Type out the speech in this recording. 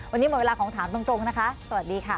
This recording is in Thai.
วันนี้หมดเวลาของถามตรงนะคะสวัสดีค่ะ